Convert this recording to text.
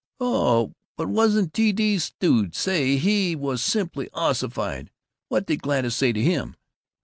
"Oh, but wasn't T. D. stewed! Say, he was simply ossified! What did Gladys say to him?"